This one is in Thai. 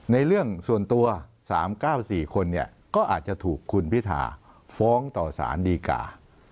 เรื่องส่วนตัว๓๙๔คนก็อาจจะถูกคุณพิธาฟ้องต่อสารดีกา